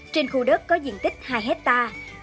trên khu đất có diện tích hai hectare